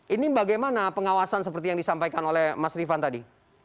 ini bagaimana pengawasan seperti yang disampaikan oleh mas rifan tadi